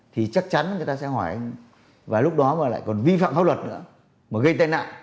thì chắc chắn người ta sẽ hỏi anh và lúc đó mà lại còn vi phạm pháp luật nữa mà gây tai nạn